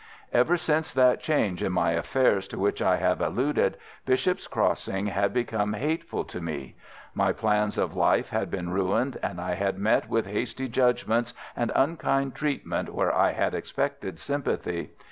"Ever since that change in my affairs to which I have alluded, Bishop's Crossing had become hateful to me. My plans of life had been ruined, and I had met with hasty judgments and unkind treatment where I had expected sympathy.